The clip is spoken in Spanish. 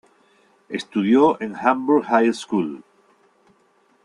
Estudió en Hamburg High School.